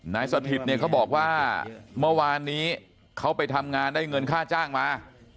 สถิตเนี่ยเขาบอกว่าเมื่อวานนี้เขาไปทำงานได้เงินค่าจ้างมา